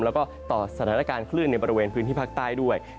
แล้วก็ต่อสถานการณ์คลื่นในบริเวณพื้นที่ภาคใต้ด้วย